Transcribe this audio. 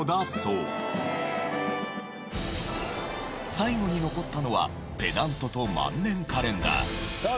最後に残ったのはペナントと万年カレンダー。